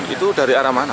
itu dari arah mana